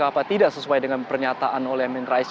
kenapa tidak sesuai dengan pernyataan oleh amin rais